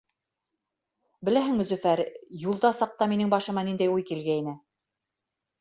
— Беләһеңме, Зөфәр, юлда саҡта минең башыма ниндәй уй килгәйне.